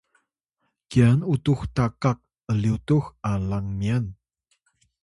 kyan utux tatak ’lyutux alang myan